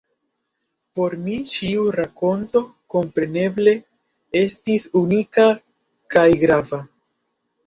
Por mi ĉiu rakonto kompreneble estis unika kaj grava.